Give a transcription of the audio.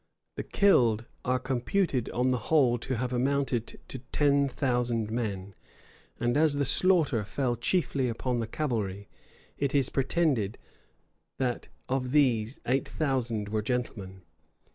The killed are computed on the whole to have amounted to ten thousand men; and as the slaughter fell chiefly upon the cavalry, it is pretended that, of these, eight thousand were gentlemen.